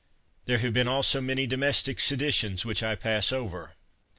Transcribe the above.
There have been also many domestic seditions which I pass over.